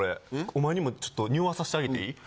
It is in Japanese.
お前にもちょっとにおわさせてあげていい？